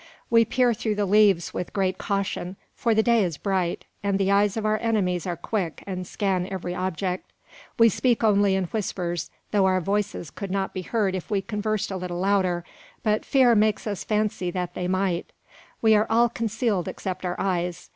We peer through the leaves with great caution, for the day is bright, and the eyes of our enemies are quick, and scan every object. We speak only in whispers, though our voices could not be heard if we conversed a little louder, but fear makes us fancy that they might. We are all concealed except our eyes.